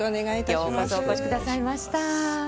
ようこそお越しくださいました。